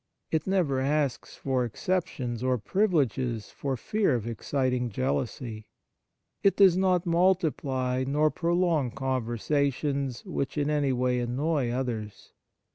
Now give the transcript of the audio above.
It never asks for exceptions or privileges for fear of exciting jealousy. It does not multiply nor prolong conversations which in any way annoy others.